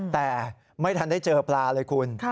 แต่ไม่ทันได้เจอปลาเลยคุณ